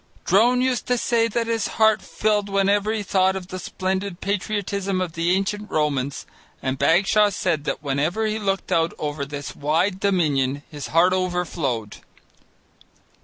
Drone used to say that his heart filled whenever he thought of the splendid patriotism of the ancient Romans, and Bagshaw said that whenever he looked out over this wide Dominion his heart overflowed.